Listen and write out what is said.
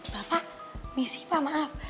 bapak misi pak maaf